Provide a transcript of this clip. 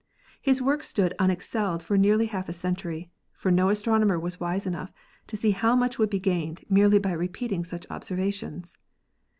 His work stood unexcelled for nearly half a century, for no astronomer was wise enough to see how much would be gained merely by repeating such observations.